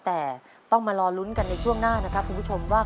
แต่ต้องมารอลุ้นกันในช่วงหน้านะครับคุณผู้ชมว่า